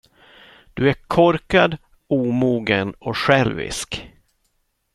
Du är korkad, omogen och självisk.